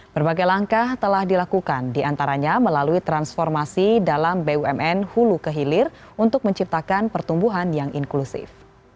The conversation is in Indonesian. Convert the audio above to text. berbagai langkah telah dilakukan diantaranya melalui transformasi dalam bumn hulu ke hilir untuk menciptakan pertumbuhan yang inklusif